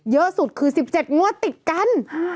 เยอะสุดคือ๑๗งวดติดกัน